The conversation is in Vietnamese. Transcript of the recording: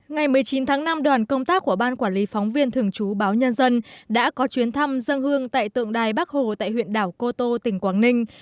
ngày một mươi chín tháng năm đoàn công tác của ban quản lý phóng viên thường trú báo nhân dân đã có chuyến thăm dân hương tại tượng đài bắc hồ tại huyện đảo cô tô tỉnh quảng ninh